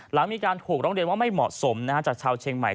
หลังมีการถูกร้องเรียนว่าไม่เหมาะสมจากชาวเชียงใหม่